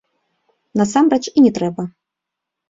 Насамрэч і не трэба.